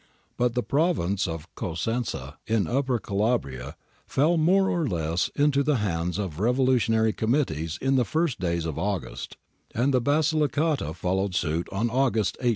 But the province of Cosenza in Upper Cala bria fell more or less into the hands of revolutionary committees in the first days of August, and the Basilicata followed suit on August 18.